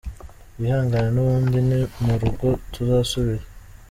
Bihangane n’ubundi ni mu rugo tuzasubira.